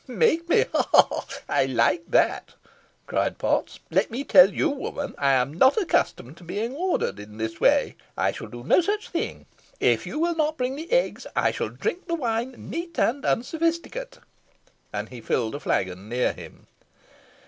"Make me! ha, ha! I like that," cried Potts. "Let me tell you, woman, I am not accustomed to be ordered in this way. I shall do no such thing. If you will not bring the eggs I shall drink the wine, neat and unsophisticate." And he filled a flagon near him.